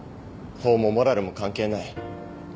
法もモラルも関係ない。